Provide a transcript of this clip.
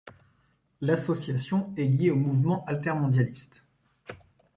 L'association est liée au mouvement altermondialiste.